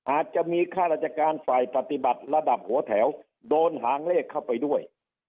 อาจจะมีค่าราชการฝ่ายปฏิบัติระดับหัวแถวโดนหางเลขเข้าไปด้วย